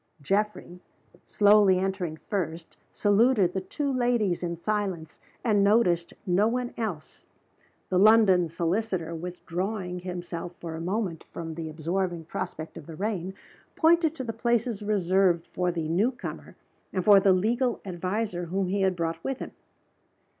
Geoffrey, slowly entering first, saluted the two ladies in silence, and noticed no one else. The London solicitor, withdrawing himself for a moment from the absorbing prospect of the rain, pointed to the places reserved for the new comer and for the legal adviser whom he had brought with him.